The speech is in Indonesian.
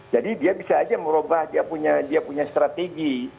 jadi dia bisa saja merubah dia punya strategi